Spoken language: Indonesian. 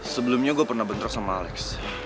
sebelumnya gue pernah bentrok sama alex